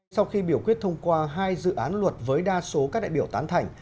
sau khi biểu quyết thông qua hai dự án luật với đa số các đại biểu tán thành